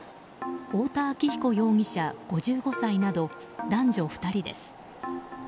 大田昭彦容疑者、５５歳など男女２人です。